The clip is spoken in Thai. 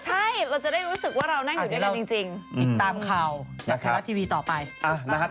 ใช่เราจะได้รู้สึกว่าเรานั่งอยู่ด้วยกันจริง